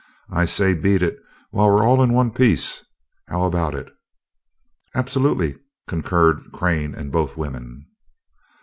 I say beat it while we're all in one piece. How about it?" "Absolutely," concurred Crane and both women.